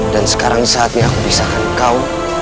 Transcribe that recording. dan sekarang saatnya aku pisahkan kau